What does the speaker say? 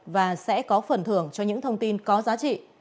và sẽ có phần thưởng cho những thông tin có giá trị